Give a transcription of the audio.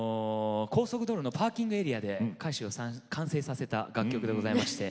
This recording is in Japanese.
高速道路のパーキングエリアで歌詞を完成させた楽曲でございまして。